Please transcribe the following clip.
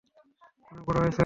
অনেক বড় হয়েছে।